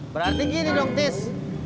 berarti gini dong tis